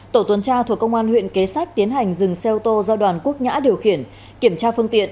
tổ tuần tra thuộc công an huyện kế sách tiến hành dừng xe ô tô do đoàn quốc nhã điều khiển kiểm tra phương tiện